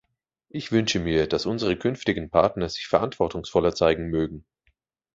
Ich wünsche mir, dass unsere künftigen Partner sich verantwortungsvoller zeigen mögen.